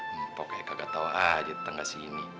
empoh kayak kagak tau aja di tengah sini